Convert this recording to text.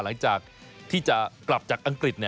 หลังจากที่จะกลับจากอังกฤษ